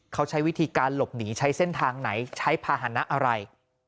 เขาใช้วิธีการหลบหนีใช้เส้นทางไหนใช้ภาษณะอะไร